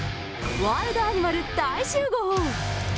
ワールドアニマル大集合。